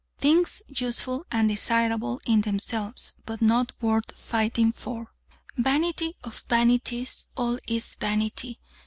Things useful and desirable in themselves, but not worth fighting for. "Vanity of vanities, all is vanity!"